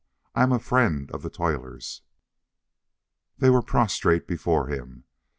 I am a friend of the toilers!" They were prostrate before him.